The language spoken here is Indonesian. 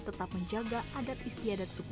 tetap menjaga adat istiadat suku